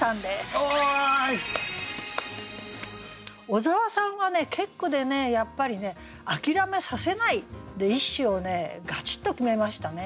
小沢さんが結句でやっぱりね「あきらめさせない」で一首をガチッと決めましたね。